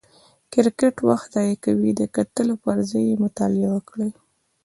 کرکټ وخت ضایع کوي، د کتلو پر ځای یې مطالعه وکړئ!